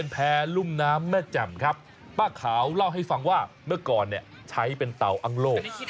ป้าขาวเล่าให้ฟังว่าเมื่อก่อนใช้เป็นเต่าอังโลก